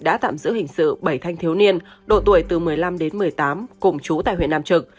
đã tạm giữ hình sự bảy thanh thiếu niên độ tuổi từ một mươi năm đến một mươi tám cùng chú tại huyện nam trực